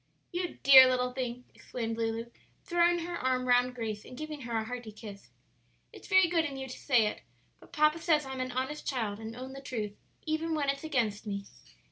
"You dear little thing!" exclaimed Lulu, throwing her arm round Grace and giving her a hearty kiss; "it's very good in you to say it; but papa says I'm an honest child and own the truth even when it's against me."